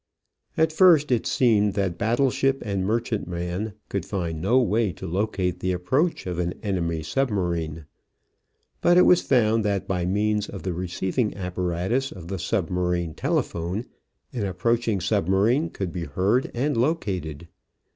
At first it seemed that battle ship and merchantman could find no way to locate the approach of an enemy submarine. But it was found that by means of the receiving apparatus of the submarine telephone an approaching submarine could be heard and located.